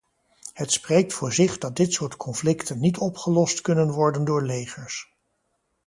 Het spreekt voor zich dat dit soort conflicten niet opgelost kunnen worden door legers.